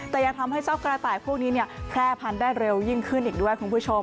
แต่ยังทำให้เจ้ากระต่ายพวกนี้แพร่พันธุ์ได้เร็วยิ่งขึ้นอีกด้วยคุณผู้ชม